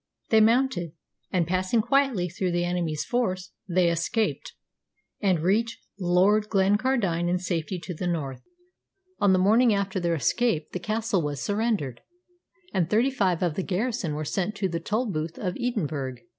They mounted, and, passing quietly through the enemy's force, they escaped, and reached Lord Glencardine in safety to the north. On the morning after their escape the castle was surrendered, and thirty five of the garrison were sent to the Tolbooth of Edinburgh.